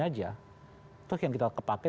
aja itu yang kita kepakai